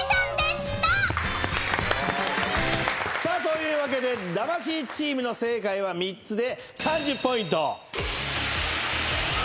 さあというわけで魂チームの正解は３つで。